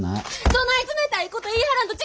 そない冷たいこと言いはらんと力